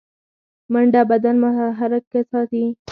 منډه بدن متحرک ساتي